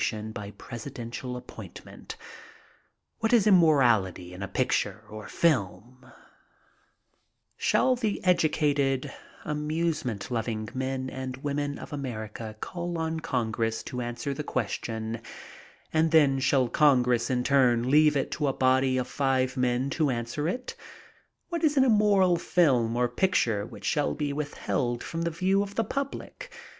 I decree tiiat allcowv shall tvear Digitized by VjOOQIC '*ShalI the educated, amusement'Ioving men and women of America call on G>ngres8 to answer the question, and then shall G>ngress in turn leave it to a body of five men to answer it? What is an immoral film or picture which shall be withheld from the view of the public?